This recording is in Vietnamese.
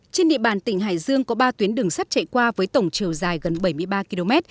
trên địa bàn tỉnh hải dương có ba tuyến đường sắt chạy qua với tổng chiều dài gần bảy mươi ba km